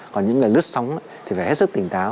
còn những ngày lướt sóng thì phải hết sức tỉnh táo